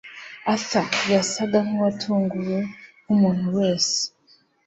Arthur yasaga nkuwatunguwe nkumuntu wese